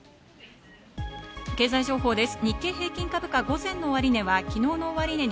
経済情報です。